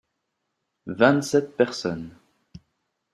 Vingt-sept personnes.